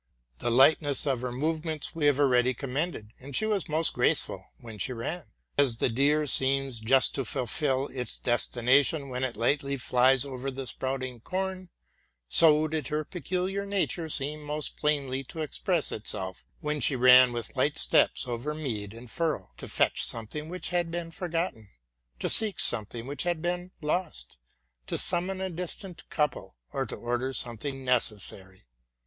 The lightness of her movements we have already commended, and she was most graceful when she ran. As the deer seems just to fulfil its destination when it lightly flies over the sprouting corn ; so did her pecul iar nature seem most plainly to express itself when she ran with light steps over mead and furrow, to fetch something which had been forgotten, to seek something which had been lost, to summon a distant couple, or to order something neces sary.